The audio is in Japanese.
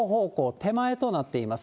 手前となっています。